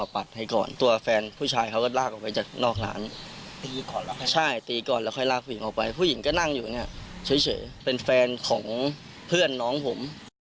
เป็นแฟนของเพื่อนน้องผม